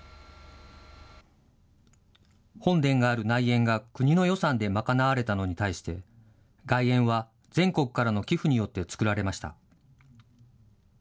本殿がある内苑が国の予算で賄われたのに対して、外苑は全国からの寄付によって作られました。